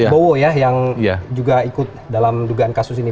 bowo ya yang juga ikut dalam dugaan kasus ini